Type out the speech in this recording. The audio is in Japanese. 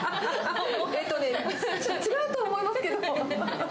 違うと思いますけども。